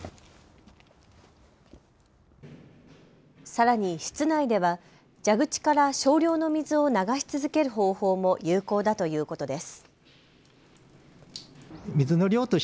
さらに室内では蛇口から少量の水を流し続ける方法も有効だということです。